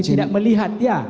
berarti tidak melihat dia